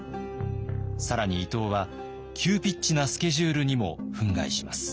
更に伊藤は急ピッチなスケジュールにも憤慨します。